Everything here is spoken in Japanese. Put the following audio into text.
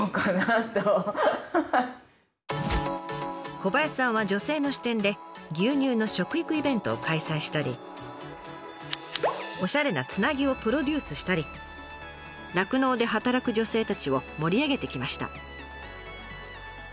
小林さんは女性の視点で牛乳の食育イベントを開催したりおしゃれなつなぎをプロデュースしたり酪農で働く女性たちを盛り上げてきました。